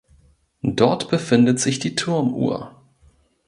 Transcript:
Dort befindet sich die Turmuhr.